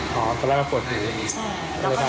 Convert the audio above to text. ตอนลงตบซ้ายกว่า